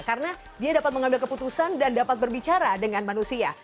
karena dia dapat mengambil keputusan dan dapat berbicara dengan manusia